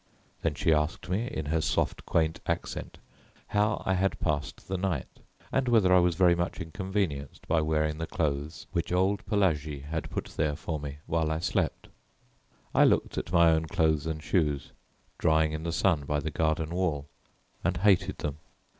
Then she asked me in her soft quaint accent how I had passed the night, and whether I was very much inconvenienced by wearing the clothes which old Pelagie had put there for me while I slept. I looked at my own clothes and shoes, drying in the sun by the garden wall, and hated them.